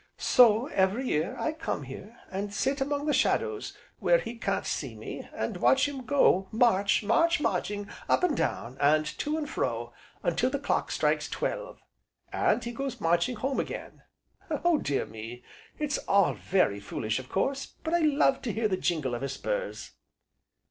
So, every year, I come here, and sit among the shadows, where he can't see me, and watch him go march, march, marching up and down, and to and fro, until the clock strikes twelve, and he goes marching home again. Oh dear me! it's all very foolish, of course, but I love to hear the jingle of his spurs."